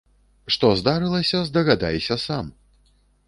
Што здарылася, здагадайся сам!